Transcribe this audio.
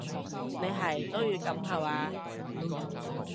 你係都要噉下話？